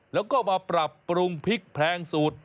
แล้วก็มาปรับปรุงพริกแพงสูตร